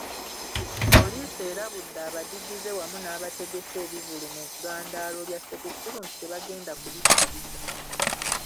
Poliisi erabudde abadigize wamu n’abategese ebivvulu mu ggandaalo lya Ssekukkulu, nti tebagenda kubikkiriza.